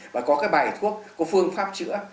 và có cái bài thuốc có phương pháp chữa